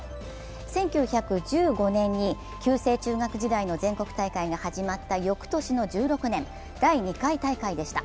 １９１５年に旧制中学時代の全国大会が始まった第２回大会でした。